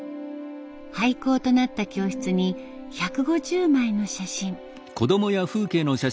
廃校となった教室に１５０枚の写真。